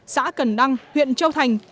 xã cần đăng huyện châu thành